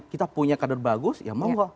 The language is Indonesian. kita punya kader bagus ya mau gak